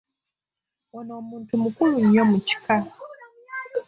Ono muntu mukulu nnyo mu kika.